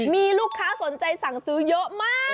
มีลูกค้าสนใจสั่งซื้อเยอะมาก